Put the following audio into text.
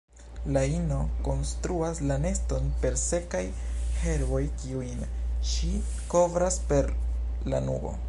La ino konstruas la neston per sekaj herboj kiujn ŝi kovras per lanugo.